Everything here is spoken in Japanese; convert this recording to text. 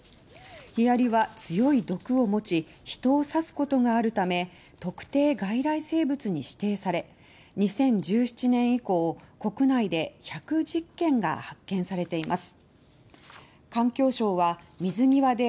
ヒアリは強い毒を持ち人を刺すことがあるため特定外来生物に指定され２０１７年以降国内で１１０件が発見されています。